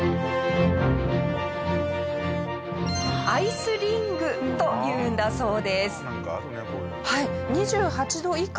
アイスリングというんだそうです。